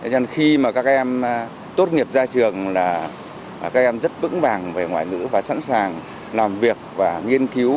cho nên khi mà các em tốt nghiệp ra trường là các em rất vững vàng về ngoại ngữ và sẵn sàng làm việc và nghiên cứu